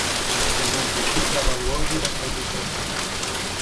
Té multitud de valuosos enregistraments.